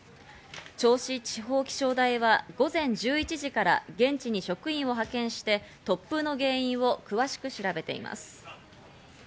銚子地方気象台は午前１１時から現地に職員を派遣して突風の原因を詳しく調べています。